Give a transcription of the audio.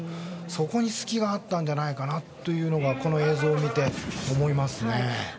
そこに隙があったんじゃないかなというのがこの映像を見て思いますね。